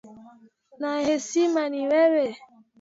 Na hesima ni wewe.